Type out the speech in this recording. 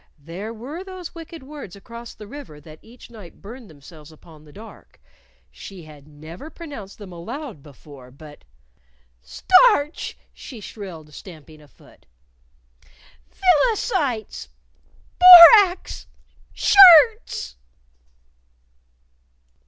There were those wicked words across the river that each night burned themselves upon the dark. She had never pronounced them aloud before; but "Starch!" she shrilled, stamping a foot, "Villa sites! Borax! _Shirts!